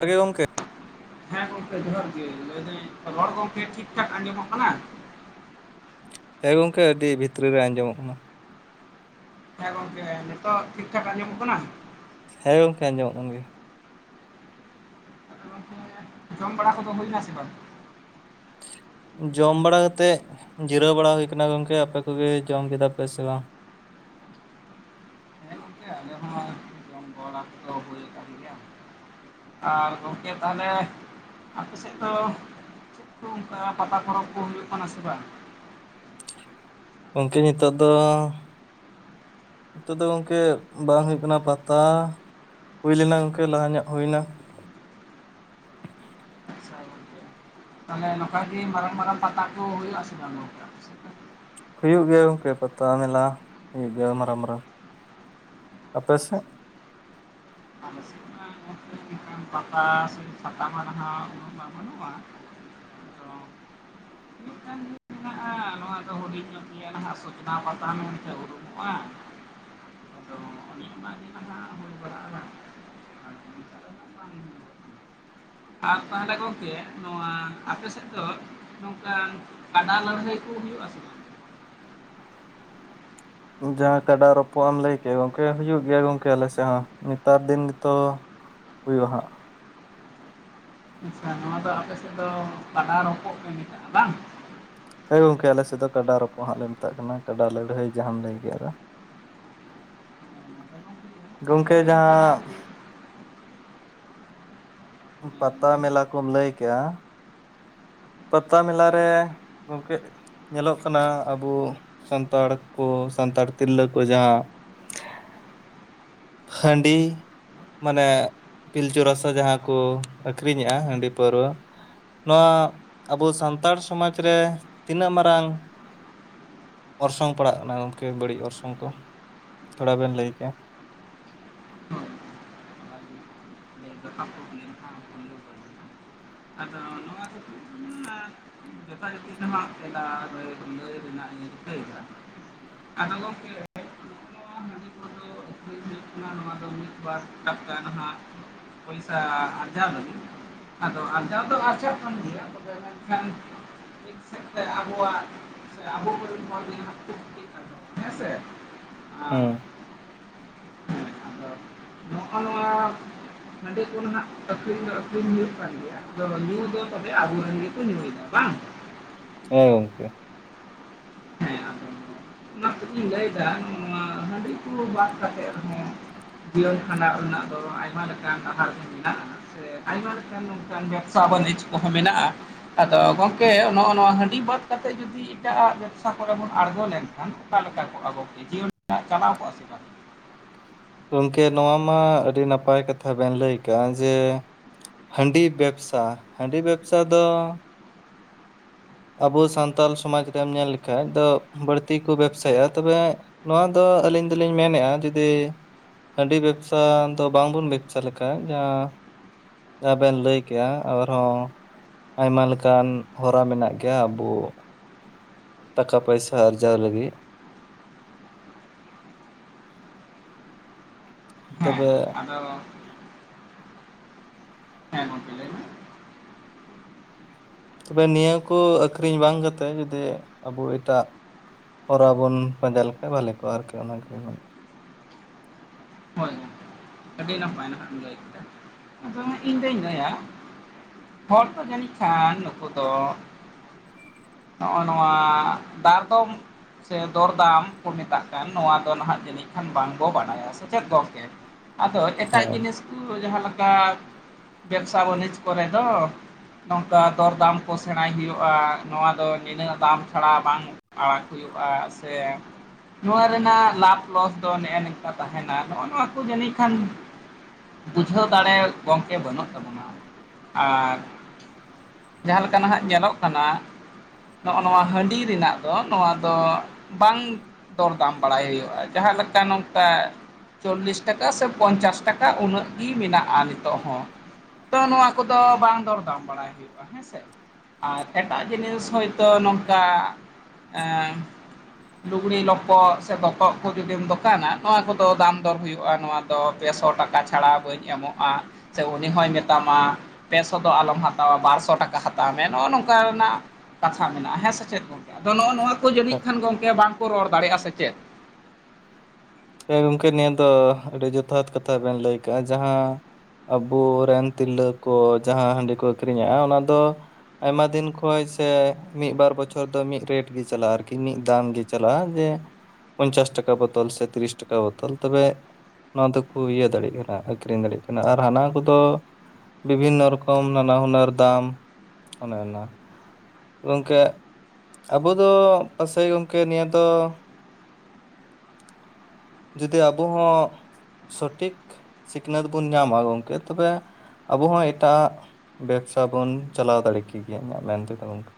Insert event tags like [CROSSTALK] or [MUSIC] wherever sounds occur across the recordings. [UNINTELLIGIBLE] ᱜᱮ ᱜᱚᱢᱠᱮ᱾ ᱦᱮᱸ ᱜᱚᱝᱠᱮ ᱡᱚᱦᱟᱨ ᱜᱮ ᱞᱟᱹᱭ ᱫᱟᱹᱧ ᱨᱚᱲ ᱜᱚᱝᱠᱮ ᱴᱷᱤᱠ ᱴᱷᱟᱠ ᱟᱸᱡᱚᱢᱚᱜ ᱠᱟᱱᱟ? ᱦᱮᱸ ᱜᱚᱝᱠᱮ ᱟᱹᱰᱤ ᱵᱷᱤᱛᱨᱤ ᱨᱮ ᱟᱸᱡᱚᱢᱚᱜ ᱠᱟᱱᱟ᱾ ᱦᱮᱸ ᱜᱚᱝᱠᱮ ᱱᱤᱛᱚᱜ ᱴᱷᱤᱠ ᱴᱷᱟᱠ ᱟᱸᱡᱚᱢᱚᱜ ᱠᱟᱱᱟ᱾ ᱦᱮᱸ ᱜᱚᱝᱠᱮ ᱟᱸᱡᱚᱢᱚᱜ ᱠᱟᱱ ᱜᱮᱭᱟ᱾ [UNINTELLIGIBLE] ᱡᱚᱢ ᱵᱟᱲᱟ ᱠᱚᱫᱚ ᱦᱩᱭ ᱱᱟ ᱥᱮ ᱵᱟᱝ? ᱡᱚᱢ ᱵᱟᱲᱟ ᱠᱟᱛᱮᱫ ᱡᱤᱨᱟᱹᱣ ᱵᱟᱲᱟ ᱦᱩᱭ ᱠᱟᱱᱟ ᱜᱚᱝᱠᱮ, ᱟᱯᱮ ᱠᱚᱜᱮ ᱡᱚᱢ ᱠᱮᱫᱟ ᱯᱮ ᱥᱮ ᱵᱟᱝ? ᱦᱮᱸ ᱜᱚᱝᱠᱮ ᱟᱞᱮ ᱦᱚᱸ ᱡᱚᱢ ᱵᱟᱲᱟ ᱫᱚ ᱦᱩᱭ ᱠᱟᱱ ᱜᱮᱭᱟ᱾ ᱟᱨ ᱜᱚᱝᱠᱮ ᱛᱟᱦᱚᱞᱮ ᱟᱯᱮ ᱥᱮᱫ ᱫᱚ ᱪᱮᱫ ᱠᱚ ᱚᱱᱠᱟ ᱯᱟᱛᱟ ᱯᱚᱨᱚᱵ ᱠᱚ ᱦᱩᱭᱩᱜ ᱠᱟᱱᱟ ᱥᱮ ᱵᱟᱝ? ᱜᱚᱝᱠᱮ‌ ᱱᱤᱛᱚᱜ ᱫᱚ ᱱᱤᱛᱚᱜ ᱫᱚ ᱜᱚᱝᱠᱮ ᱵᱟᱝ ᱦᱩᱭᱩᱜ ᱠᱟᱱᱟ ᱯᱟᱛᱟ ᱦᱩᱭ ᱞᱮᱱᱟ ᱜᱚᱝᱠᱮ ᱞᱟᱦᱟ ᱧᱚᱜ ᱦᱩᱭ ᱱᱟ᱾ ᱟᱪᱪᱷᱟ ᱜᱚᱝᱠᱮ᱾ ᱛᱟᱦᱚᱞᱮ ᱱᱚᱝᱠᱟ ᱜᱮ ᱢᱟᱨᱟᱝ ᱢᱟᱨᱟᱝ ᱯᱟᱛᱟ ᱠᱚ ᱦᱩᱭᱩᱜ-ᱟ ᱥᱮ ᱵᱟᱝ ᱜᱚᱝᱠᱮ ᱟᱯᱮ ‌ᱥᱮᱫ ᱫᱚ? ᱦᱩᱭᱩᱜ ᱜᱮᱭᱟ ᱜᱚᱝᱠᱮ ᱯᱟᱛᱟ ᱢᱮᱞᱟ ᱦᱩᱭᱩᱜ ᱜᱮᱭᱟ ᱢᱟᱨᱟᱝ ᱢᱟᱨᱟᱝ᱾ ᱟᱯᱮ ᱥᱮᱫ? ᱟᱪᱪᱷᱟ ᱟᱞᱮ ᱥᱮᱫ ᱢᱟ ᱜᱚᱝᱠᱮ ᱱᱚᱝᱠᱟᱱ ᱯᱟᱛᱟ ᱥᱮ ᱪᱷᱟᱛᱟ ᱢᱟ ᱱᱟᱦᱟᱜ ᱩᱱᱟᱹᱜ ᱢᱟ ᱵᱟᱹᱱᱩᱜ-ᱟ᱾ ᱚᱻ ᱢᱤᱫᱴᱟᱱ ᱜᱮ ᱢᱮᱱᱟᱜ-ᱟ ᱱᱚᱣᱟ ᱫᱚ ᱦᱩᱰᱤᱧ ᱧᱚᱜ ᱜᱮᱭᱟ ᱱᱟᱦᱟᱜ ᱥᱚᱪᱱᱟ ᱯᱟᱛᱟ ᱢᱮᱱᱛᱮ ᱩᱨᱩᱢᱚᱜ-ᱟ᱾ ᱟᱫᱚ ᱚᱱᱮ ᱚᱱᱟ ᱜᱮ ᱱᱟᱦᱟᱜ ᱦᱩᱭ ᱵᱟᱲᱟᱜ-ᱟ ᱱᱟᱦᱟᱜ᱾ ᱟᱫᱚ ᱱᱚᱝᱠᱟ‌ ᱫᱚ ᱱᱟᱦᱟᱜ ᱵᱟᱝ ᱦᱩᱭᱩᱜ-ᱟ᱾ ᱟᱨ ᱛᱟᱦᱚᱞᱮ ᱜᱚᱝᱠᱮ ᱱᱚᱣᱟ ᱟᱯᱮ ᱥᱮᱫ ᱫᱚ ᱱᱚᱝᱠᱟᱱ ᱠᱟᱰᱟ ᱞᱟᱹᱲᱦᱟᱹᱭ ᱠᱚ ᱦᱩᱭᱩᱜ-ᱟ ᱥᱮ ᱵᱟᱝ? ᱩᱸ ᱡᱟᱦᱟᱸ ᱠᱟᱰᱟ ᱨᱚᱯᱚᱜ ᱮᱢ ᱞᱟᱹᱭ ᱠᱮᱜ ᱜᱚᱝᱠᱮ ᱦᱩᱭᱩᱜ ᱜᱮᱭᱟ ᱜᱚᱝᱠᱮ ᱟᱞᱮ ᱥᱮᱜ ᱦᱚᱸ ᱱᱮᱛᱟᱨ ᱫᱤᱱ ᱜᱮᱛᱚ ᱦᱩᱭᱩᱜ-ᱟ ᱦᱟᱸᱜ᱾ [UNINTELLIGIBLE] ᱱᱚᱣᱟ ᱫᱚ ᱟᱯᱮ ᱥᱮᱜ ᱫᱚ ᱠᱟᱰᱟ ᱨᱚᱯᱚᱜ ᱯᱮ ᱢᱮᱛᱟᱜ-ᱟ ᱵᱟᱝ? ᱦᱳᱭ ᱜᱚᱝᱠᱮ ᱟᱞᱮ ᱥᱮᱜ ᱫᱚ ᱠᱟᱰᱟ ᱨᱚᱯᱚᱜ ᱦᱟᱸᱜ ᱞᱮ ᱢᱮᱛᱟᱜ ᱠᱟᱱᱟ ᱠᱟᱰᱟ ᱞᱟᱹᱲᱦᱟᱹᱭ ᱡᱟᱦᱟᱢ ᱞᱟᱹᱭ ᱠᱮᱜ-ᱟ ᱨᱮ᱾ [UNINTELLIGIBLE] ᱱᱚᱛᱮ ᱦᱚᱸ ‌ᱦᱩᱭᱩᱜ-ᱟ᱾ ᱜᱚᱝᱠᱮ ᱡᱟᱦᱟᱸ ᱩᱢ ᱦᱳᱭ ᱯᱟᱛᱟ ᱢᱮᱞᱟ ᱠᱚᱢ ᱞᱟᱹᱭ ᱠᱮᱜ-ᱟ ᱯᱟᱛᱟ ᱢᱮᱞᱟ ᱨᱮ ᱜᱚᱝᱠᱮ ᱧᱮᱞᱚᱜ ᱠᱟᱱᱟ ᱟᱵᱩ ᱥᱟᱱᱛᱟᱲ ᱠᱚ ᱥᱟᱱᱛᱟᱲ ᱛᱤᱨᱞᱟᱹ ᱠᱚ ᱡᱟᱦᱟᱸ ᱦᱟᱺᱰᱤ᱾ ᱢᱟᱱᱮ ᱯᱤᱞᱪᱩ ᱨᱟᱥᱟ ᱡᱟᱦᱟᱸ ᱠᱚ ᱟᱹᱠᱷᱨᱤᱧᱮᱜ-ᱟ ᱦᱟᱺᱰᱤ ᱯᱟᱹᱣᱨᱟᱹ᱾ ᱱᱚᱣᱟ ᱟᱵᱚ ᱥᱟᱱᱛᱟᱲ ᱥᱚᱢᱟᱡᱽ ᱨᱮ ᱛᱤᱱᱟᱹᱜ ᱢᱟᱨᱟᱝ ᱚᱨᱥᱚᱝ ᱯᱟᱲᱟᱜ ᱠᱟᱱᱟ ᱜᱚᱢᱠᱮ ᱵᱟᱹᱲᱤᱡ ᱚᱨᱥᱚᱝ ᱠᱚ ᱛᱷᱚᱲᱟ ᱵᱮᱱ ᱞᱟᱹᱭ ᱠᱮᱭᱟ᱾ [UNINTELLIGIBLE] ᱟᱫᱚ ᱱᱚᱣᱟ ᱠᱚᱫᱚ [UNINTELLIGIBLE] ᱨᱮ ᱞᱟᱹᱭ ᱨᱮᱱᱟᱜ ᱤᱧ ᱨᱤᱠᱟᱹᱭᱮᱫᱟ ᱟᱫᱚ ᱜᱚᱢᱠᱮ [UNINTELLIGIBLE] ᱱᱚᱣᱟ ᱦᱟᱺᱰᱤ ᱠᱚᱫᱚ ᱟᱠᱷᱨᱤᱧ ᱦᱳᱭᱳᱠᱟᱱᱟ ᱱᱚᱣᱟ ᱫᱚ ᱵᱟᱥ ᱴᱟᱠᱟ ᱱᱟᱦᱟᱜ ᱯᱚᱭᱥᱟ ᱟᱨᱡᱟᱣ ᱞᱟᱹᱜᱤᱫ᱾ ᱟᱫᱚ ᱟᱨᱡᱟᱣ ᱫᱚ ᱟᱨᱪᱷᱟ ᱠᱟᱱ ᱜᱮᱭᱟ ᱛᱚᱵᱮ ᱢᱮᱱᱠᱷᱟᱱ ᱢᱤᱫ ᱥᱮᱫᱛᱮ ᱟᱵᱚᱣᱟᱜ ᱥᱮ ᱟᱵᱚᱨᱮᱱ ᱦᱚᱲ [INAUDIBLE] ᱠᱩ ᱠᱟᱱ ᱦᱮᱸᱥᱮ᱾ ᱦᱮᱸ᱾ ᱦᱩᱸ ᱱᱚᱜ-ᱚ ᱱᱟᱣᱟ ᱦᱟᱸᱰᱤ ᱠᱚ ᱱᱟᱦᱟᱸᱜ ᱟᱹᱠᱷᱨᱤᱧ ᱫᱚ ᱟᱹᱠᱷᱨᱤᱧ ᱦᱩᱭᱩᱜ ᱠᱟᱱ ᱜᱮᱭᱟ ᱟᱫᱚ ᱧᱩ ᱫᱚ ᱛᱚᱵᱮ ᱟᱵᱚᱨᱮᱱ ᱜᱮᱠᱚ ᱧᱩᱭᱮᱫᱟ ᱵᱟᱝ᱾ ᱦᱮᱸ ᱜᱚᱝᱠᱮ᱾ ᱠᱟᱹᱴᱤᱡ ᱤᱧ ᱞᱟᱹᱭᱫᱟ ᱱᱚᱣᱟ ᱦᱟᱺᱰᱤ ᱠᱚ ᱵᱟᱫ ᱠᱟᱛᱮᱜ ᱨᱮᱦᱚᱸ ᱡᱤᱭᱚᱱ ᱠᱷᱟᱸᱰᱟᱣ ᱨᱮᱱᱟᱜ ᱫᱚ ᱟᱭᱢᱟ ᱞᱮᱠᱟᱱ ᱰᱟᱦᱟᱨ ᱢᱮᱱᱟᱜ-ᱟ᱾ ᱥᱮ ᱟᱭᱢᱟ ᱞᱮᱠᱟᱱ ᱱᱚᱝᱠᱟᱱ ᱵᱮᱵᱽᱥᱟ ᱵᱟᱹᱱᱤᱡᱽ ᱠᱚᱦᱚᱸ ᱢᱮᱱᱟᱜ-ᱟ᱾ ᱟᱫᱚ ᱜᱚᱝᱠᱮ ᱱᱚᱜ-ᱚ ᱱᱚᱣᱟ ᱦᱟᱺᱰᱤ ᱵᱟᱫ ᱠᱟᱛᱮᱜ ᱡᱩᱫᱤ ᱮᱴᱟᱜ ᱟᱜ ᱵᱮᱵᱽᱥᱟ ᱠᱚᱨᱮ ᱵᱚᱱ ᱟᱬᱜᱚ ᱞᱮᱱᱠᱷᱟᱱ ᱚᱠᱟ ᱞᱮᱠᱟ ᱠᱚᱜ- ᱟ ᱵᱚ ᱡᱤᱭᱚᱱ [INAUDIBLE] ᱴᱟᱜ ᱪᱟᱞᱟᱣ ᱠᱚᱜ-ᱟ ᱥᱮ᱾ ᱵᱟᱝ ᱜᱚᱢᱠᱮ ᱱᱚᱣᱟ ᱢᱟ ᱟᱹᱰᱤ ᱱᱟᱯᱟᱭ ᱠᱟᱛᱷᱟ ᱵᱮᱱ ᱞᱟᱹᱭ ᱠᱟᱜ-ᱟ ᱡᱮ ᱦᱟᱺᱰᱤ ᱵᱮᱵᱽᱥᱟ ᱦᱟᱺᱰᱤ ᱵᱮᱵᱽᱥᱟ ᱫᱚ ᱟᱵᱚ ᱥᱟᱱᱛᱟᱞ ᱥᱚᱢᱟᱡ ᱨᱮᱢ ᱧᱮᱞ ᱞᱮᱠᱷᱟᱡ ᱫᱚ ᱵᱟᱹᱲᱛᱤ ᱠᱚ ᱵᱮᱵᱽᱥᱟᱭᱮᱜ-ᱟ ᱛᱚᱵᱮ ᱱᱚᱣᱟ ᱫᱚ ᱟᱹᱞᱤᱧ ᱫᱚᱞᱤᱧ ᱢᱮᱱᱮᱜ-ᱟ ᱡᱩᱫᱤ ᱦᱟᱺᱰᱤ ᱵᱮᱵᱽᱥᱟ ᱫᱚ ᱵᱟᱝᱵᱩᱱ ᱵᱮᱵᱽᱥᱟ ᱞᱮᱠᱟᱷᱟ ᱡᱟᱦᱟᱸ ᱡᱟᱦᱟᱵᱮᱱ ᱞᱟᱹᱭ ᱠᱮᱜ-ᱟ ᱟᱨᱦᱚᱸ ᱟᱭᱢᱟ ᱞᱮᱠᱟᱱ ᱦᱚᱨᱟ ᱢᱮᱱᱟᱜ ᱜᱮᱭᱟ ᱟᱵᱩ ᱴᱟᱠᱟ ᱯᱚᱭᱥᱟ ᱟᱨᱡᱟᱣ ᱞᱟᱹᱜᱤᱫ᱾ ᱛᱚᱵᱮ᱾ ᱚ᱾ [UNINTELLIGIBLE] ᱦᱮᱸ ᱜᱚᱝᱠᱮ ᱞᱟᱹᱭ ᱢᱮ᱾ ᱛᱚᱵᱮ ᱱᱤᱭᱟᱹ ᱠᱚ ᱟᱹᱠᱷᱨᱤᱧ ᱵᱟᱝ ᱠᱟᱛᱮᱫ ᱡᱩᱫᱤ ᱟᱵᱚ ᱮᱴᱟᱜ ᱦᱚᱨᱟ ᱵᱚᱱ ᱯᱟᱸᱡᱟ ᱞᱮᱠᱟᱱ ᱵᱷᱟᱞᱮ ᱠᱚᱜ-ᱟ ᱟᱨᱠᱤ ᱚᱱᱟᱜᱤ ᱦᱳᱭ ᱜᱚᱝᱠᱮ ᱟᱹᱰᱤ ᱱᱟᱯᱟᱭ ᱱᱟᱦᱟᱜ ᱤᱮᱢ ᱞᱟᱹᱭ ᱠᱮᱫᱟ ᱟᱫᱚ ᱤᱧ ᱫᱩᱧ ᱞᱟᱹᱭᱟ ᱦᱚᱲ ᱠᱚ ᱡᱟᱹᱱᱤᱡ ᱠᱷᱟᱱ ᱱᱩᱠᱩ ᱫᱚ ᱱᱚᱜ-ᱚ ᱱᱚᱣᱟ ᱫᱟᱨ ᱫᱚᱢ ᱥᱮ ᱫᱚᱨ-ᱫᱟᱢ ᱠᱚ ᱢᱮᱛᱟᱜ ᱠᱟᱱ ᱱᱚᱣᱟ ᱫᱚ ᱱᱟᱦᱟᱜ ᱡᱟᱹᱱᱤᱡ ᱠᱷᱟᱱ ᱵᱟᱝᱵᱚ ᱵᱟᱰᱟᱭᱟ ᱥᱮᱪᱮᱫ ᱜᱚᱝᱠᱮ᱾ ᱟᱫᱚ ᱮᱴᱟᱜ ᱦᱮᱸ ᱡᱤᱱᱤᱥ ᱠᱩ ᱡᱟᱦᱟᱸ ᱞᱮᱠᱟ ᱵᱮᱵᱽᱥᱟ ᱵᱟᱹᱱᱤᱡᱽ ᱠᱚᱨᱮ ᱫᱚ ᱱᱚᱝᱠᱟ ᱫᱚᱨᱫᱟᱢ ᱠᱚ ᱥᱮᱬᱟᱭ ᱦᱩᱭᱩᱜ-ᱟ ᱱᱚᱣᱟ ᱫᱚ ᱱᱤᱱᱟᱹᱜ ᱫᱟᱢ ᱪᱷᱟᱲᱟ ᱵᱟᱝ ᱟᱲᱟᱜ ᱦᱩᱭᱩᱜ-ᱟ ᱥᱮ ᱱᱚᱣᱟ ᱨᱮᱱᱟᱜ ᱞᱟᱵᱷ ᱞᱚᱥ ᱫᱚ ᱱᱮᱜ-ᱮ ᱱᱮᱝᱠᱟ ᱛᱟᱦᱮᱱᱟ ᱱᱚᱜ-ᱚ ᱱᱚᱣᱟ ᱠᱚ ᱡᱟᱹᱱᱤᱡ ᱠᱷᱟᱱ ᱵᱩᱡᱷᱟᱹᱣ ᱫᱟᱲᱮ ᱜᱚᱝᱠᱮ ᱵᱟᱹᱱᱩᱜ ᱛᱟᱵᱚᱱᱟ᱾ ᱟᱨ ᱡᱟᱦᱟᱸ ᱞᱮᱠᱟ ᱱᱟᱦᱟᱜ ᱧᱮᱞᱚᱜ ᱠᱟᱱᱟ ᱱᱚᱜ-ᱚ ᱱᱚᱣᱟ ᱦᱟᱺᱰᱤ ᱨᱮᱱᱟᱜ ᱫᱚ ᱱᱚᱣᱟ ᱫᱚ ᱵᱟᱝ ᱫᱚᱨᱫᱟᱢ ᱵᱟᱲᱟᱭ ᱦᱩᱭᱩᱜ-ᱟ, ᱡᱟᱦᱟᱸ ᱞᱮᱠᱟ ᱱᱚᱝᱠᱟ ᱪᱚᱞᱞᱤᱥ ᱴᱟ ᱠᱟ ᱥᱮ ᱯᱚᱧᱪᱟᱥ ᱴᱟᱠᱟ ᱩᱱᱟᱹᱜ ᱜᱤ ᱢᱮᱱᱟᱜ-ᱟ ᱱᱤᱛᱚᱜ ᱦᱚᱸ᱾ ᱛᱚ ᱱᱚᱣᱟ ᱠᱚᱫᱚ ᱵᱟᱝ ᱫᱚᱨᱫᱟᱢ ᱵᱟᱲᱟᱭ ᱦᱩᱭᱩᱜ-ᱟ, ᱦᱮᱸᱥᱮ? ᱟᱨ ᱮᱴᱟᱜ ᱡᱤᱱᱤᱥ ᱦᱳᱭᱛᱚ ᱱᱚᱝᱠᱟ ᱮᱸ ᱞᱩᱜᱽᱲᱤ ᱞᱚᱯᱚᱜ ᱥᱮ ᱫᱚᱛᱚᱜ ᱠᱚ ᱡᱩᱫᱤᱢ ᱫᱚᱠᱟᱱᱟ ᱱᱚᱣᱟ ᱠᱚᱫᱚ ᱫᱟᱢ ᱫᱚᱨ ᱦᱩᱭᱩᱜ ᱟ ᱱᱚᱣᱟ ᱫᱚ ᱯᱮᱥᱚ ᱴᱟᱠᱟ ᱪᱷᱟᱲᱟ ᱵᱟᱹᱧ ᱮᱢᱚᱜ-ᱟ ᱥᱮ ᱩᱱᱤ ᱦᱚᱭ ᱢᱮᱛᱟᱢᱟ ᱯᱮᱥᱚ ᱫᱚ ᱟᱞᱚᱢ ᱦᱟᱛᱟᱣᱟ ᱵᱟᱨᱥᱚ ᱴᱟᱠᱟ ᱦᱟᱛᱟᱣ ᱢᱮ ᱱᱚᱜ-ᱚ ᱱᱚᱝᱠᱟ ᱨᱮᱱᱟᱜ ᱠᱟᱛᱷᱟ ᱢᱮᱱᱟᱜ-ᱟ, ᱦᱮᱸ ᱥᱮ ᱪᱮᱫ ᱜᱚᱝ? ᱟᱫᱚ ᱱᱚᱜ-ᱚ ᱱᱚᱣᱟ ᱠᱚ ᱡᱟᱹᱱᱤᱡ ᱠᱷᱟᱱ ᱜᱚᱝᱠᱮ ᱵᱟᱝᱠᱚ ᱨᱚᱲ ᱫᱟᱲᱮᱭᱟᱜ-ᱟ ᱥᱮ ᱪᱮᱫ? ᱦᱮᱸ ᱜᱚᱝᱠᱮ ᱱᱤᱭᱟᱹ ᱫᱚ ᱟᱹᱰᱤ ᱡᱚᱛᱷᱟᱛ ᱠᱟᱛᱷᱟ ᱵᱮᱱ ᱞᱟᱹᱭ ᱠᱟᱜᱼᱟ ᱡᱟᱦᱟᱸ ᱟᱵᱚᱨᱮᱱ ᱛᱤᱨᱞᱟᱹ ᱠᱚ ᱡᱟᱦᱟᱸ ᱦᱟᱺᱰᱤ ᱠᱚ ᱟᱹᱠᱷᱨᱤᱧᱮᱜᱼᱟ ᱚᱱᱟ ᱫᱚ ᱟᱭᱢᱟ ᱫᱤᱱ ᱠᱷᱚᱡ ᱥᱮ ᱢᱤᱫ ᱵᱟᱨ ᱵᱚᱪᱷᱚᱨ ᱫᱚ ᱢᱤᱫ ᱨᱮᱴ ᱜᱮ ᱪᱟᱞᱟᱜᱼᱟ ᱟᱨᱠᱤ ᱢᱤᱫ ᱫᱟᱢ ᱜᱮ ᱪᱟᱞᱟᱜᱼᱟ ᱡᱮ ᱯᱚᱧᱪᱟᱥ ᱴᱟᱠᱟ ᱵᱳᱛᱳᱞ ᱥᱮ ᱛᱤᱨᱤᱥ ᱴᱟᱠᱟ ᱵᱳᱛᱳᱞ ᱛᱚᱵᱮ ᱱᱚᱣᱟ ᱫᱚᱠᱚ ᱤᱭᱟᱹ ᱫᱟᱲᱮᱭᱟᱜ ᱠᱟᱱᱟ, ᱟᱹᱠᱷᱨᱤᱧ ᱫᱟᱲᱮᱭᱟᱜ ᱠᱟᱱᱟ ᱟᱨ ᱦᱟᱱᱟ ᱠᱚᱫᱚ ᱵᱤᱵᱷᱤᱱᱱᱚ ᱨᱚᱠᱚᱢ ᱱᱟᱱᱟ ᱦᱩᱱᱟᱹᱨ ᱫᱟᱢ ᱚᱱᱮ ᱚᱱᱟ᱾ ᱜᱚᱝᱠᱮ ᱟᱵᱚᱫᱚ ᱯᱟᱥᱮᱡ ᱜᱚᱢᱠᱮ ᱱᱤᱭᱟᱹ ᱫᱚ‌ ᱡᱩᱫᱤ ᱟᱵᱚ ᱦᱚᱸ ᱥᱚᱴᱷᱤᱠ ᱥᱤᱠᱷᱱᱟᱹᱛ ᱵᱚᱱ ᱧᱟᱢᱟ ᱜᱚᱝᱠᱮ ᱛᱚᱵᱮ ᱟᱵᱚ ᱦᱚᱸ ᱮᱴᱟᱜᱟᱜ ᱵᱮᱵᱥᱟ ᱵᱚᱱ ᱪᱟᱞᱟᱣ ᱫᱟᱲᱮ ᱠᱮ ᱜᱮᱭᱟ ᱤᱧᱟᱹᱜ ᱢᱮᱱ ᱛᱮᱫᱚ ᱜᱚᱝᱠᱮ᱾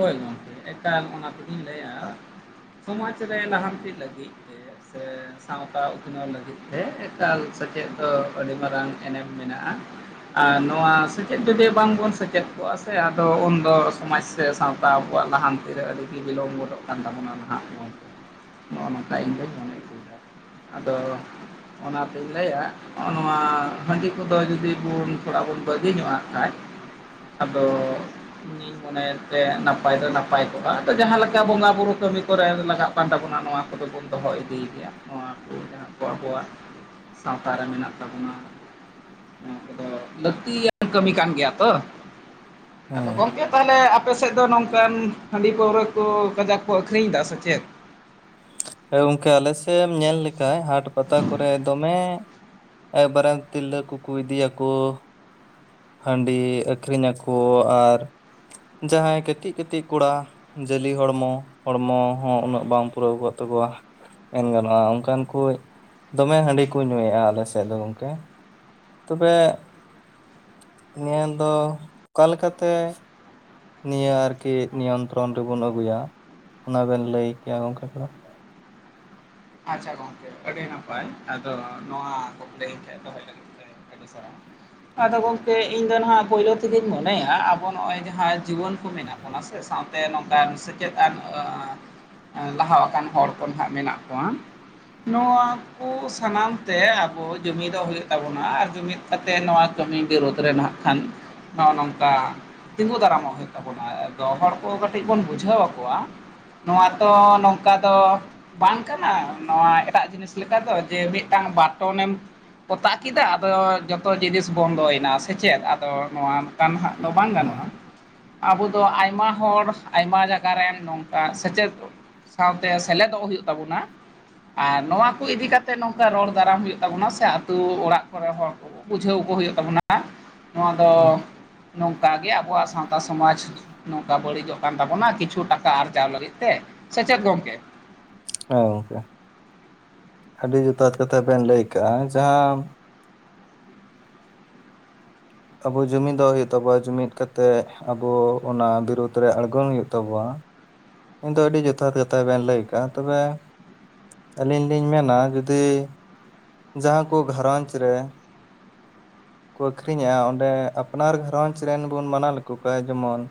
ᱦᱳᱭ ᱜᱚᱝᱠᱮ ᱮᱠᱟᱞ ᱚᱱᱟ ᱛᱮᱜᱤᱧ ᱞᱟᱹᱭᱟ ᱥᱚᱢᱟᱡᱽ ᱨᱮ ᱞᱟᱦᱟᱱᱛᱤ ᱞᱟᱹᱜᱤᱫ ᱛᱮ ᱪᱮᱫᱟᱜ ᱥᱮ ᱥᱟᱶᱛᱟ ᱩᱛᱱᱟᱹᱣ ᱞᱟᱹᱜᱤᱫ ᱛᱮ, ᱮᱠᱟᱞ ᱥᱮᱪᱮᱫ ᱫᱚ ᱟᱹᱰᱤ ᱢᱟᱨᱟᱝ ᱮᱱᱮᱢ ᱢᱮᱱᱟᱜᱼᱟ᱾ ᱟᱨ ᱱᱚᱣᱟ ᱥᱮᱪᱮᱫ ᱡᱩᱫᱤ ᱵᱟᱝᱵᱚᱱ ᱥᱮᱪᱮᱫ ᱠᱚᱜᱼᱟ ᱥᱮ ᱟᱫᱚ ᱩᱱᱫᱚ ᱥᱚᱢᱟᱡᱽ ᱥᱮ ᱥᱟᱶᱛᱟ ᱟᱵᱚᱣᱟᱜ ᱞᱟᱦᱟᱱᱛᱤ ᱨᱮ ᱟᱹᱰᱤᱜᱮ ᱵᱤᱞᱚᱢ ᱜᱚᱫᱚᱜ ᱠᱟᱱ ᱛᱟᱵᱚᱱᱟ ᱱᱟᱦᱟᱜ ᱜᱚᱝᱠᱮ᱾ ᱱᱚᱜᱼᱚ ᱱᱚᱝᱠᱟ ᱤᱧᱫᱚᱩᱧ ᱢᱚᱱᱮ ᱟᱹᱜᱩᱭᱮᱫᱟ, ᱟᱫᱚ ᱚᱱᱟᱛᱤᱧ ᱞᱟᱹᱭᱟ ᱦᱚᱸᱜ-ᱚ ᱱᱚᱣᱟ ᱦᱟᱺᱰᱤ ᱠᱚᱫᱚ ᱡᱩᱫᱤ ᱵᱚᱱ ᱛᱷᱚᱲᱟ ᱵᱚᱱ ᱵᱟᱹᱜᱤ ᱧᱚᱜᱼᱟ ᱠᱷᱟᱡ, ᱟᱫᱚ ᱤᱧᱤᱧ ᱢᱚᱱᱮᱭ ᱥᱮ ᱱᱟᱯᱟᱭ ᱫᱚ ᱱᱟᱯᱟᱭ ᱠᱚᱜᱼᱟ ᱟᱫᱚ ᱡᱟᱦᱟᱸ ᱞᱮᱠᱟ ᱵᱚᱸᱜᱟ ᱵᱩᱨᱩ ᱠᱟᱹᱢᱤ ᱠᱚᱨᱮ ᱞᱟᱜᱟᱜ ᱠᱟᱱ ᱛᱟᱵᱚᱱᱟ ᱱᱚᱣᱟ ᱠᱚᱫᱚ ᱵᱚᱱ ᱫᱚᱦᱚ ᱤᱫᱤᱭ ᱜᱮᱭᱟ ᱱᱚᱣᱟ ᱠᱚ ᱡᱟᱦᱟᱸ ᱠᱚ ᱟᱵᱚᱣᱟᱜ ᱥᱟᱶᱛᱟ ᱨᱮ ᱢᱮᱱᱟᱜ ᱛᱟᱵᱚᱱᱟ᱾ ᱱᱚᱣᱟ ᱠᱚᱫᱚ ᱞᱟᱹᱠᱛᱤᱭᱟᱱ ᱠᱟᱹᱢᱤ ᱠᱟᱱ ᱜᱮᱭᱟ ᱛᱚ᱾ ᱟᱫᱚ ᱦᱩᱸ ᱜᱚᱝᱠᱮ ᱛᱟᱦᱚᱞᱮ ᱟᱯ ᱯᱮ ᱥᱮᱫ ᱫᱚ ᱱᱚᱝᱠᱟᱱ ᱦᱟᱺᱰᱤ ᱯᱟᱹᱣᱨᱟᱹ ᱠᱚ ᱠᱟᱡᱟᱠ ᱠᱚ ᱟᱹᱷᱨᱤᱧ ᱮᱫᱟ ᱥᱮᱪᱮᱫ? ᱦᱮᱸ ᱜᱚᱝᱠᱮ ᱟᱞᱮ ᱥᱮᱫ ᱮᱢ ᱧᱮᱞ ᱞᱮᱠᱷᱟᱡ ᱦᱟᱴ ᱯᱟᱛᱟ ᱠᱚᱨᱮ ᱫᱚᱢᱮ ᱚᱠᱚᱨᱮᱱ ᱛᱤᱨᱞᱟᱹ ᱠᱚᱠᱚ ᱤᱫᱤᱭᱟᱠᱚ ᱦᱟᱺᱰᱤ ᱟᱹᱠᱷᱨᱤᱧ ᱟᱠᱚ ᱟᱨ ᱡᱟᱦᱟᱸᱭ ᱠᱟᱹᱴᱤᱡ ᱠᱟᱹᱴᱤᱡ ᱠᱚᱲᱟ ᱡᱟᱹᱞᱤ ᱦᱚᱲᱢᱚ, ᱦᱚᱲᱢᱚ ᱦᱚᱸ ᱩᱱᱟᱹᱜ ᱵᱟᱝ ᱯᱩᱨᱟᱹᱣ ᱠᱚᱜ ᱛᱟᱠᱚᱣᱟ, ᱢᱮᱱ ᱜᱟᱱᱚᱜᱼᱟ ᱚᱱᱠᱟᱱ ᱠᱚ ᱫᱚᱢᱮ ᱦᱟᱺᱰᱤ ᱠᱚ ᱧᱩᱭᱮᱫᱼᱟ ᱟᱞᱮ ᱥᱮᱫ ᱫᱚ ᱜᱚᱝᱠᱮ᱾ ᱛᱚᱵᱮ ᱱᱤᱭᱟᱹ ᱫᱚ ᱚᱠᱟ ᱞᱮᱠᱟᱛᱮ ᱱᱤᱭᱟᱹ ᱟᱨᱠᱤ ᱱᱤᱭᱚᱱᱛᱨᱚᱱ ᱨᱮᱵᱩᱱ ᱟᱹᱜᱩᱭᱟ, ᱚᱱᱟ ᱵᱮᱱ ᱞᱟᱹᱭ ᱠᱮᱭᱟ ᱜᱚᱝᱠᱮ ᱛᱷᱚᱲᱟ᱾ ᱟᱪᱪᱷᱟ ᱜᱚᱝᱠᱮ ᱟᱹᱰᱤ ᱱᱟᱯᱟᱭ ᱟᱫᱚ ᱱᱚᱣᱟ ᱠᱴᱠᱩᱡᱞᱤ ᱤᱧ ᱠᱷᱟᱡ ᱫᱚᱦᱚᱭ ᱞᱟᱹᱜᱤᱫ ᱛᱮ᱾ [UNINTELLIGIBLE] ᱟᱫᱚ ᱜᱚᱝᱠᱮ ᱤᱧ ᱫᱚ ᱱᱟᱦᱟᱜ ᱯᱳᱭᱞᱳ ᱛᱮᱜᱮᱧ ᱢᱚᱱᱮᱭᱟ ᱟᱵᱚ ᱱᱚᱜᱼᱚᱭ ᱡᱟᱦᱟᱸ ᱡᱤᱵᱚᱱ ᱠᱚ ᱢᱮᱱᱟᱜ ᱚᱱᱟ ᱥᱮ ᱥᱟᱶᱛᱮ ᱱᱚᱝᱠᱟᱱ ᱥᱮᱪᱮᱫ ᱟᱱ ᱞᱟᱦᱟᱣᱟ ᱟᱠᱟᱱ ᱦᱚᱲ ᱠᱚ ᱱᱟᱦᱟᱜ ᱢᱮᱱᱟᱜ ᱠᱚᱣᱟ ᱱᱚᱣᱟ ᱩᱱᱠᱩ ᱥᱟᱱᱟᱢ ᱛᱮ ᱟᱵᱚ ᱡᱩᱢᱤᱫᱚᱜ ᱦᱩᱭᱩᱜ ᱛᱟᱵᱚᱱᱟ ᱟᱨ ᱡᱩᱢᱤᱫ ᱠᱟᱛᱮ ᱱᱚᱣᱟ ᱠᱟᱹᱢᱤ ᱵᱤᱨᱩᱫᱽ ᱨᱮ ᱨᱮᱱᱟᱜᱦᱟᱜ ᱠᱷᱟᱱ ᱱᱚᱜᱼᱚ ᱱᱚᱝᱠᱟ ᱛᱤᱸᱜᱩ ᱫᱟᱨᱟᱢᱚᱜ ᱦᱩᱭᱩᱜ ᱠᱟᱱᱟ ᱾ ᱟᱫᱚ ᱦᱚᱲ ᱠᱚ ᱠᱟᱹᱴᱤᱡ ᱵᱚᱱ ᱵᱩᱡᱷᱟᱹᱣ ᱟᱠᱚᱣᱟ᱾ ᱱᱚᱣᱟ ᱛᱚ ᱱᱚᱝᱠᱟ ᱫᱚ ᱵᱟᱝ ᱠᱟᱱᱟ ᱱᱚᱣᱟ ᱮᱴᱟᱜ ᱡᱤᱱᱤᱥ ᱞᱮᱠᱟ ᱫᱚ ᱡᱮ ᱢᱤᱫᱴᱟᱝ ᱵᱟᱴᱚᱱᱮᱢ ᱯᱚᱛᱟ ᱠᱮᱫᱟ ᱟᱫᱚ ᱡᱚᱛᱚ ᱡᱤᱱᱤᱥ ᱵᱚᱱᱫᱚᱭᱮᱱᱟ ᱥᱮᱪᱮᱫ ᱟᱫᱚ ᱱᱚᱣᱟ ᱜᱟᱱᱦᱟᱜ ᱫᱚ ᱵᱟᱝ ᱦᱩᱸ ᱜᱟᱱᱚᱜᱼᱟ᱾ ᱟᱵᱚ ᱫᱚ ᱟᱭᱢᱟ ᱦᱚᱲ ᱟᱭᱢᱟ ᱡᱟᱭᱟᱨᱮᱢ ᱱᱚᱝᱠᱟ ᱥᱮᱪᱮᱫ ᱥᱟᱶᱛᱮ ᱥᱮᱞᱮᱫᱚᱜ ᱦᱩᱭᱩᱜ ᱛᱟᱵᱚᱱᱟ᱾ ᱟᱨ ᱱᱚᱣᱟ ᱠᱚ ᱤᱫᱤᱠᱟ ᱠᱟᱛᱮᱜ ᱱᱚᱝᱠᱟ ᱨᱚᱲ ᱫᱟᱨᱟᱢ ᱦᱩᱭᱩᱜ ᱛᱟᱵᱚᱱᱟ ᱥᱮ ᱟ ᱟᱹᱛᱩᱳ ᱚᱲᱟᱜ ᱠᱚᱨᱮ ᱦᱚᱲ ᱠᱚ ᱵᱩᱡᱷᱟᱹᱣ ᱠᱚ ᱦᱩᱭᱩᱜ ᱛᱟᱵᱚᱱᱟ ᱱᱚᱣᱟ ᱫᱚ ᱦᱩᱸ ᱱᱚᱝᱠᱟ ᱜᱮ ᱟᱵᱚᱣᱟᱜ ᱥᱟᱶᱛᱟ ᱥᱚᱢᱟᱡᱽ᱾ ᱱᱚᱝᱠᱟ ᱵᱟᱹᱲᱤᱡᱚᱜ ᱠᱟᱱ ᱛᱟᱵᱚᱱᱟ ᱠᱤᱪᱷᱩ ᱴᱟᱠᱟ ᱟᱨᱡᱟᱣ ᱞᱟᱹᱜᱤᱫ ᱛᱮ ᱥᱮᱪᱮᱫ ᱜᱚᱝᱠᱮ? ᱦᱮᱸ ᱜᱚᱝᱠᱮ ᱟᱹᱰᱤ ᱡᱚᱛᱷᱟᱛ ᱠᱟᱛᱷᱟ ᱵᱮᱱ ᱞᱟᱹᱭ ᱠᱟᱜᱼᱟ ᱡᱟᱦᱟᱸ ᱟᱵᱩ ᱡᱩᱢᱤᱫᱚᱜ ᱦᱩᱭᱩᱜ ᱛᱟᱵᱚᱱᱟ ᱡᱩᱢᱤᱫ ᱠᱟᱛᱮᱜ ᱟᱵᱩ ᱚᱱᱟ ᱵᱤᱨᱩᱫᱽ ᱨᱮ ᱟᱬᱜᱳ ᱦᱩᱭᱩᱜ ᱛᱟᱵᱚᱱᱟ᱾ ᱤᱧ ᱫᱚ ᱟᱹᱰᱤ ᱡᱚᱛᱷᱟᱛ ᱠᱟᱛᱷᱟ ᱵᱮᱱ ᱞᱟᱹᱭ ᱠᱟᱜᱼᱟ ᱛᱚᱵᱮ ᱟᱹᱞᱤᱧ ᱞᱤᱧ ᱢᱮᱱᱟ ᱡᱩᱫᱤ ᱡᱟᱦᱟᱸ ᱠᱚ ᱜᱷᱟᱨᱚᱸᱡᱽ ᱨᱮ ᱠᱚ ᱟᱹᱠᱷᱨᱤᱧᱮᱜᱼᱟ ᱚᱸᱰᱮ ᱟᱯᱱᱟᱨ ᱜᱷᱟᱨᱚᱸᱧᱡᱽ ᱨᱮᱱ ᱵᱚᱱ ᱢᱟᱱᱟᱣ ᱞᱮᱠᱚ ᱠᱷᱣᱟ ᱡᱮᱢᱚᱱ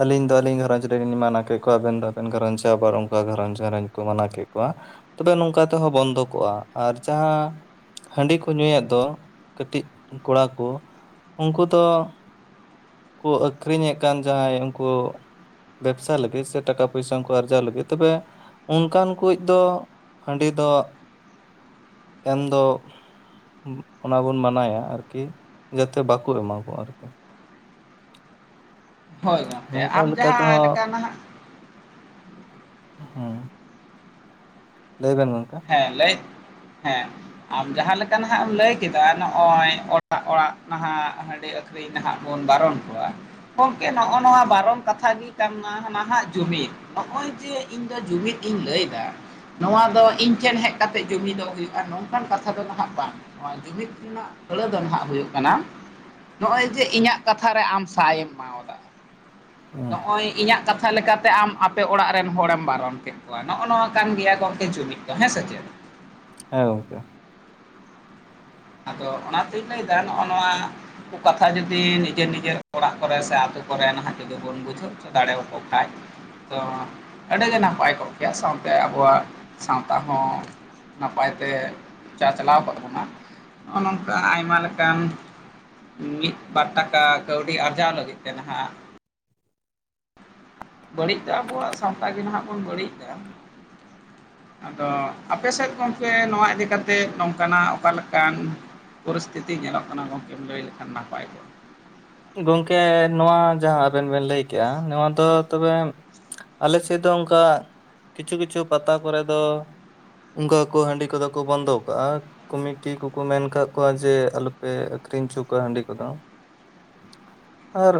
ᱟᱹᱞᱤᱧ ᱫᱚ ᱟᱹᱞᱤᱧ ᱜᱷᱟᱨᱚᱸᱡᱽ ᱨᱮᱞᱤᱧ ᱢᱟᱱᱟᱣ ᱠᱮᱫ ᱠᱚᱣᱟ ᱟᱵᱮᱱ ᱫᱚ ᱟᱵᱮᱱ ᱜᱷᱟᱨᱚᱸᱧᱡᱽ ᱨᱮ ᱟᱵᱟᱨ ᱚᱱᱠᱟ ᱜᱷᱟᱨᱚᱸᱡᱽ ᱜᱷᱟᱨᱚᱸᱡᱽ ᱡᱚ ᱢᱟᱱᱟ ᱠᱮᱫ ᱠᱚᱣᱟ᱾ ᱛᱚᱵᱮ ᱱᱚᱝᱠᱟ ᱛᱮᱦᱚᱸ ᱵᱚᱱᱫᱚ ᱠᱚᱜᱼᱟ ᱟᱨ ᱡᱟᱦᱟᱸ ᱦᱟᱺᱰᱤ ᱠᱚ ᱧᱩᱭᱮᱜ ᱫᱚ ᱠᱟᱹᱴᱤᱡ ᱠᱚᱲᱟ ᱠᱚ᱾ ᱩᱱᱠᱩ ᱫᱚ ᱠᱚ ᱟᱹᱠᱷᱨᱤᱧᱮ ᱠᱟᱱ ᱡᱟᱦᱟᱸᱭ ᱩᱱᱠᱩ ᱵᱮᱵᱥᱟ ᱞᱟᱹᱜᱤᱫ ᱥᱮ ᱴᱟᱠᱟ ᱯᱚᱭᱥᱟ ᱠᱚ ᱟᱨᱡᱟᱣ ᱞᱟᱹᱜᱤᱫ ᱛᱚᱵᱮ ᱚᱱᱠᱟᱱ ᱠᱩ ᱫᱚ ᱦᱟᱺᱰᱤ ᱫᱚ ᱮᱱ ᱫᱚ ᱚᱱᱟ ᱵᱚᱱ ᱢᱟᱱᱟᱭᱟ ᱟᱨᱠᱤ ᱡᱟᱛᱮ ᱵᱟᱠᱚ ᱮᱢᱟ ᱠᱚ ᱟᱨᱠᱤ᱾ ᱦᱳᱭ ᱜᱚᱝᱠᱮ ᱱᱚᱝᱠᱟ ᱟᱢ ᱞᱮᱠᱟ ᱛᱮᱦᱚᱸ ᱡᱟᱦᱟᱸᱞᱮᱠᱟ ᱱᱟᱱᱟᱜ ᱦᱩᱸ᱾ ᱞᱟᱹᱭ ᱵᱮᱱ ᱜᱚᱝᱠᱮ᱾ ᱦᱮᱸ ᱞᱟᱹᱭ ᱦᱮᱸ᱾ ᱟᱢ ᱡᱟᱦᱟᱸ ᱞᱮᱠᱟ ᱱᱟᱦᱟᱜ ᱮᱢ ᱞᱟᱹᱭ ᱠᱮᱫᱟ ᱱᱚᱜ ᱚᱭ ᱚᱲᱟᱜ ᱚᱲᱟᱜ ᱱᱟᱦᱟᱜ ᱦᱟᱺᱰᱤ ᱟᱹᱠᱷᱨᱤᱧ ᱱᱟᱦᱟᱜ ᱵᱚᱱ ᱵᱟᱨᱚᱱ ᱠᱚᱣᱟ ᱜᱚᱝᱠᱮ ᱱᱚᱜᱼᱚ ᱱᱚᱣᱟ ᱵᱟᱨᱚᱱ ᱠᱟᱛᱷᱟ ᱜᱮ ᱠᱟᱱᱟ ᱱᱟᱦᱟᱜ ᱡᱩᱢᱤᱫ᱾ ᱱᱚᱜ ᱚᱭ ᱡᱮ ᱤᱧ ᱫᱚ ᱡᱩᱢᱤᱫ ᱤᱧ ᱞᱟᱹᱭᱮᱫᱟ ᱱᱚᱣᱟ ᱫᱚ ᱤᱧ ᱤᱧ ᱴᱷᱮᱱ ᱦᱮᱡ ᱠᱟᱛᱮᱜ ᱡᱩᱢᱤᱫ ᱫᱚ ᱦᱩᱭᱩᱜᱼᱟ ᱱᱚᱝᱠᱟᱱ ᱠᱟᱛᱷᱟ ᱫᱚ ᱱᱟᱦᱟᱜ ᱵᱟᱝ᱾ ᱱᱚᱣᱟ ᱡᱩᱢᱤᱫ ᱨᱮᱱᱟᱜ ᱟᱹᱲᱟᱹ ᱫᱚ ᱱᱟᱦᱟᱜ ᱦᱩᱭᱩᱜ ᱠᱟᱱᱟ ᱱᱚᱜ ᱚᱭ ᱡᱮ ᱤᱧᱟᱹᱜ ᱠᱟᱛᱷᱟᱨᱮ ᱟᱢ ᱥᱟᱭ ᱮᱢ ᱮᱢᱟᱣᱟᱫᱟᱼᱟ ᱦᱩᱸ ᱱᱚᱜᱚᱭ ᱤᱧᱟᱹᱜ ᱠᱟᱛᱷᱟ ᱞᱮᱠᱟᱛᱮ ᱟᱢ ᱟᱯᱮ ᱚᱲᱟᱜ ᱨᱮᱱ ᱦᱚᱲᱮᱢ ᱵᱟᱨᱚᱱ ᱠᱮᱫ ᱠᱚᱣᱟ ᱱᱚᱜᱼᱚ ᱱᱚᱣᱟ ᱠᱟᱱ ᱜᱮᱭᱟ ᱜᱚᱢᱠᱮ ᱡᱩᱢᱤᱫ᱾ ᱦᱮᱸ ᱥᱮ ᱪᱮᱛ? ᱦᱮᱸ ᱜᱚᱝᱠᱮ᱾ ᱟᱫᱚ ᱚᱱᱟᱛᱤᱧ ᱞᱟᱹᱭᱫᱟ ᱱᱚᱜ ᱚᱭ ᱱᱚᱣᱟ ᱩᱱᱠᱩ ᱠᱟᱛᱷᱟ ᱡᱩᱫᱤ ᱱᱤᱡᱮᱨ ᱱᱤᱡᱮᱨ ᱚᱲᱟᱜ ᱠᱚᱨᱮ ᱥᱮ ᱟᱛᱳ ᱠᱚᱨᱮᱱ ᱱᱟᱦᱟᱜ ᱡᱫᱤ ᱵᱚᱱ ᱵᱩᱡᱷᱟᱹᱜ [UNINTELLIGIBLE] ᱛᱚ ᱟᱹᱰᱤᱜᱮ ᱱᱟᱯᱟᱭ ᱠᱚᱜ ᱠᱮᱭᱟ ᱥᱟᱶᱛᱮ ᱟᱵᱚᱣᱟᱜ ᱥᱟᱶᱛᱟ ᱦᱚᱸ ᱱᱟᱯᱟᱭᱛᱮ ᱪᱟᱪᱞᱟᱣ ᱠᱚ ᱛᱟᱵᱚᱱᱟ᱾ ᱱᱚᱜ-ᱚᱭ ᱱᱚᱝᱠᱟ ᱟᱭᱢᱟ ᱞᱮᱠᱟᱱ ᱢᱤᱫ ᱵᱟᱨ ᱴᱟᱠᱟ ᱠᱟᱹᱣᱰᱤ ᱟᱨᱡᱟᱣ ᱞᱟᱹᱜᱤᱫ ᱛᱮ ᱱᱟᱦᱟᱜ ᱵᱟᱹᱲᱤᱡ ᱫᱚ ᱟᱵᱚᱣᱟᱜ ᱥᱟᱶᱛᱟ ᱜᱮ ᱱᱟᱦᱟᱜ ᱵᱚᱱ ᱵᱟᱹᱲᱤᱡ ᱫᱟ᱾ ᱟᱫᱚ ᱟᱯᱮ ᱥᱮᱫ ᱜᱚᱝᱠᱮ ᱱᱚᱣᱟ ᱤᱫᱤ ᱠᱟᱛᱮᱫ ᱱᱚᱝᱠᱟᱱᱟᱜ ᱚᱠᱟᱞᱮᱠᱟᱱ ᱯᱚᱨᱤᱥᱛᱷᱤᱛᱤ ᱧᱮᱞᱚᱜ ᱠᱟᱱᱟ ᱜᱚᱝᱠᱮᱢ ᱞᱟᱹᱭ ᱞᱮᱠᱷᱟᱱ ᱱᱟᱯᱟᱭ ᱠᱚᱜ-ᱟ ᱜᱚᱝᱠᱮ ᱱᱚᱣᱟ ᱡᱟᱦᱟᱸ ᱟᱵᱮᱱ ᱵᱮᱱ ᱞᱟᱹᱭ ᱠᱮᱜ-ᱟ ᱱᱚᱣᱟ ᱫᱚ ᱛᱚᱵᱮ ᱟᱞᱮ ᱥᱮᱫ ᱫᱚ ᱚᱱᱠᱟ ᱠᱤᱪᱷᱩ ᱠᱤᱪᱷᱩ ᱯᱟᱛᱟ ᱠᱚᱨᱮ ᱫᱚ ᱚᱱᱠᱟ ᱠᱚ ᱦᱟᱺᱰᱤ ᱠᱚᱫᱚ ᱠᱚ ᱵᱚᱱᱫᱚ ᱟᱠᱟᱜ-ᱟ᱾ ᱠᱚᱢᱤᱴᱤ ᱠᱚᱠᱚ ᱢᱮᱱ ᱟᱠᱟᱫ ᱠᱚᱣᱟ ᱡᱮ ᱟᱞᱚᱯᱮ ᱟᱠᱷᱨᱤᱧ ᱦᱚᱪᱚ ᱠᱚᱣᱟ ᱦᱟᱺᱰᱤ ᱠᱚᱫᱚ᱾ ᱟᱨ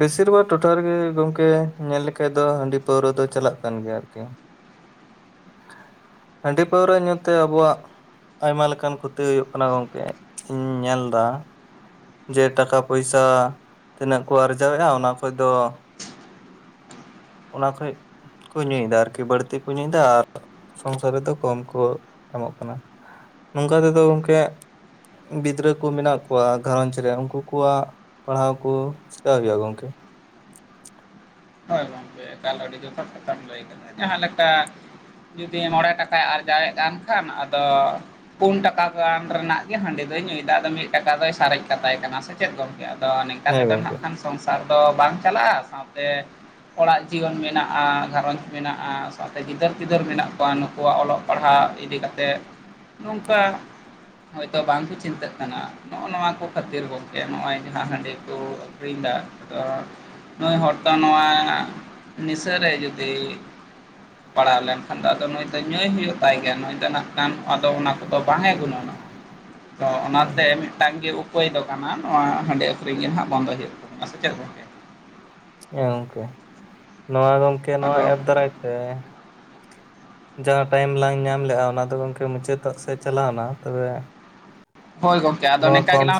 ᱵᱮᱥᱤᱨ ᱵᱷᱟᱜᱽ ᱴᱚᱴᱷᱟ ᱨᱮᱜᱮ ᱜᱚᱝᱠᱮ ᱧᱮᱞ ᱞᱮᱠᱷᱟᱡ ᱫᱚ ᱦᱟᱺᱰᱤ ᱯᱟᱹᱣᱨᱟᱹ ᱫᱚ ᱪᱟᱞᱟᱜ ᱠᱟᱱ ᱜᱮᱭᱟ ᱟᱨᱠᱤ᱾ [UNINTELLIGIBLE] ᱦᱟᱺᱰᱤ ᱯᱟᱹᱣᱨᱟᱹ ᱧᱩᱛᱮ ᱟᱵᱚᱣᱟᱜ ᱟᱭᱢᱟ ᱞᱮᱠᱟᱱ ᱠᱷᱚᱛᱤ ᱦᱩᱭᱩᱜ ᱠᱟᱱᱟ ᱜᱚᱢᱠᱮ ᱤᱧ ᱧᱮᱞ ᱫᱟ᱾ ᱡᱮ ᱴᱟᱠᱟ ᱯᱚᱭᱥᱟ ᱛᱤᱱᱟᱹᱜ ᱠᱚ ᱟᱨᱡᱟᱣᱮᱫᱼᱟ ᱚᱱᱟ ᱠᱷᱚᱭ ᱫᱚ ᱚᱱᱟ ᱠᱷᱚᱡ ᱠᱚ ᱧᱩᱭᱫᱟ ᱟᱨᱠᱤ ᱵᱟᱹᱲᱛᱤ ᱠᱚ ᱧᱩᱭᱫᱟ ᱟᱨ ᱥᱚᱝᱥᱟᱨ ᱨᱮᱫᱚ ᱠᱚᱢ ᱠᱚ ᱮᱢᱚᱜ ᱠᱟᱱᱟ᱾ ᱱᱚᱝᱠᱟ ᱛᱮᱫᱚ ᱜᱚᱢᱠᱮ ᱜᱤᱫᱽᱨᱟᱹ ᱠᱚ ᱢᱮᱱᱟᱜ ᱠᱚᱣᱟ ᱜᱷᱟᱨᱚᱸᱡᱽ ᱨᱮ ᱩᱱᱠᱩ ᱠᱚᱣᱟᱜ ᱯᱟᱲᱦᱟᱣ ᱠᱚ ᱪᱮᱠᱟ ᱦᱩᱭᱩᱜᱼᱟ ᱜᱚᱝᱠᱮ᱾ ᱦᱳᱭ ᱜᱚᱝᱠᱮ ᱮᱠᱟᱞ ᱟᱹᱰᱤ ᱡᱚᱛᱷᱟᱛ ᱠᱟᱛᱷᱟᱢ ᱞᱟᱹᱭ ᱠᱟᱫᱟ ᱡᱟᱦᱟᱸ ᱞᱮᱠᱟ ᱡᱩᱫᱤ ᱢᱚᱬᱮ ᱴᱟᱠᱟᱭ ᱟᱨᱡᱟᱣᱮᱫ ᱠᱟᱱ ᱠᱷᱟᱱ ᱟᱫᱚ ᱯᱩᱱ ᱴᱟᱠᱟ ᱜᱟᱱ ᱨᱮᱱᱟᱜ ᱜᱮ ᱦᱟᱺᱰᱤ ᱫᱚᱭ ᱧᱩ ᱮᱫᱟ ᱟᱫᱚ ᱢᱤᱫ ᱴᱟᱠᱟ ᱫᱚᱭ ᱥᱟᱨᱮᱡ ᱠᱟᱛᱟᱭ ᱠᱟᱱᱟ ᱥᱮ ᱪᱮᱫ ᱜᱚᱢᱠᱮ ᱾ ᱟᱫᱚ ᱱᱤᱝᱠᱟ ᱦᱮᱸ ᱛᱮᱫᱚ ᱜᱚᱝᱠᱮ ᱱᱟᱜ ᱠᱷᱟᱱ ᱥᱚᱝᱥᱟᱨ ᱫᱚ ᱵᱟᱝ ᱪᱟᱞᱟᱜᱼᱟ ᱥᱟᱶᱛᱮ ᱚᱲᱟᱜ ᱡᱤᱭᱚᱱ ᱢᱮᱱᱟᱜᱼᱟ ᱜᱷᱟᱨᱚᱸᱡᱽ ᱢᱮᱱᱟᱜᱼᱟ ᱥᱟᱣᱛᱮ ᱜᱤᱫᱟᱹᱨ ᱯᱤᱫᱟᱹᱨ ᱢᱮᱱᱟᱜ ᱠᱚᱣᱟ ᱱᱩᱠᱩᱣᱟᱜ ᱚᱞᱚᱜ ᱯᱟᱲᱦᱟᱣ ᱤᱫᱤ ᱠᱟᱛ ᱛᱮ ᱱᱚᱝᱠᱟ ᱦᱚᱭᱛᱳ ᱵᱟᱝᱠᱚ ᱪᱤᱱᱛᱟᱹᱜ ᱠᱟᱱᱟ ᱱᱚᱜᱼᱚ ᱱᱚᱣᱟ ᱠᱚ ᱠᱷᱟᱹᱛᱤᱨ ᱜᱚᱝᱠᱮ ᱱᱚᱜᱼᱚᱭ ᱡᱟᱦᱟᱸ ᱦᱟᱺᱰᱤ ᱠᱚ᱾ ᱟᱠᱷᱨᱤᱧ ᱮᱫᱟ ᱛᱚ ᱱᱩᱭ ᱦᱚᱲ ᱫᱚ ᱱᱚᱣᱟ᱾ ᱱᱤᱥᱟᱹ ᱨᱮ ᱡᱩᱫᱤ ᱯᱟᱲᱦᱟᱣ ᱞᱮᱱᱠᱷᱟᱱ ᱫᱚ ᱟᱫᱚ ᱱᱩᱭ ᱫᱚ ᱧᱩᱭ ᱦᱩᱭᱩᱜ ᱛᱟᱭ ᱜᱮᱭᱟ ᱱᱩᱭ ᱫᱚ ᱱᱟᱜ᱾ ᱠᱟᱱ ᱟᱫᱚ ᱚᱱᱟ ᱠᱚᱫᱚ ᱵᱟᱝ ᱮ ᱜᱩᱱᱟᱹᱱᱟ ᱛᱚ ᱚᱱᱟᱛᱮ ᱴᱟᱝ ᱜᱮ ᱩᱯᱟᱹᱭ ᱫᱚ ᱠᱟᱱᱟ ᱱᱚᱣᱟ ᱦᱟᱺᱰᱤ ᱟᱹᱠᱷᱨᱤᱧ ᱜᱮ ᱱᱟᱦᱟᱜ ᱵᱚᱱᱫᱚ ᱦᱩᱭᱩᱜ ᱛᱟᱵᱚᱱᱟ ᱥᱮ ᱪᱮᱫ ᱜᱚᱝᱠᱮ᱾ ᱦᱮᱸ ᱜᱚᱝᱠᱮ ᱱᱚᱣᱟ ᱜᱚᱢᱠᱮ ᱱᱚᱣᱟ ᱟᱫᱚ ᱮᱯ ᱫᱟᱨᱟᱭ ᱛᱮ᱾ ᱡᱟᱦᱟᱸ ᱴᱟᱭᱤᱢ ᱞᱟᱝ ᱧᱟᱢ ᱞᱮᱜᱼᱟ ᱚᱱᱟ ᱫᱚ ᱜᱚᱢᱠᱮ ᱢᱩᱪᱟᱹᱫᱚᱜ ᱥᱮᱫ ᱪᱟᱞᱟᱣ ᱮᱱᱟ ᱛᱚᱵᱮ ᱦᱳᱭ ᱜᱚᱝᱠᱮ ᱟᱫᱚ ᱱᱚᱣᱟ ᱱᱮᱝᱠᱟ ᱠᱚᱢ ᱜᱮᱞᱟᱝ ᱨ